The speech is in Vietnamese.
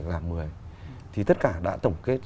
là một mươi thì tất cả đã tổng kết